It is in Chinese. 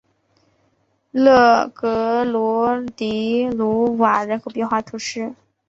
勒格罗迪鲁瓦人口变化图示